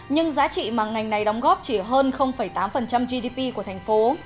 nhưng giá trị mà ngành này đóng góp chỉ hơn tám gdp của thành phố